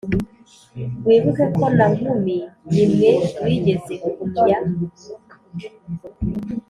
wibuke ko na nkumi n'imwe wigeze kumy a